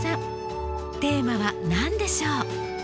テーマは何でしょう？